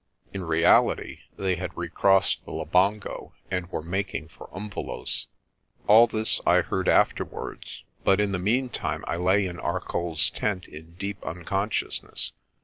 In reality they had recrossed the Labongo and were making for Umvelos 7 . All this I heard afterwards, but in the meantime I lay in ArcolPs tent in deep unconsciousness.